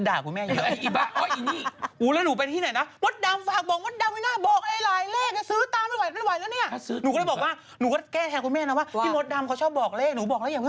ดูอีคนที่เห่าหอนออกมามันเป็นใคร